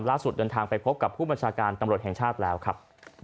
เดินทางไปพบกับผู้บัญชาการตำรวจแห่งชาติแล้วครับ